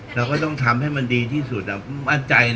เราก็ต้องทำให้มันดีที่สุดมั่นใจนะ